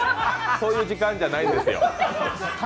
そういう時間じゃないんですよ。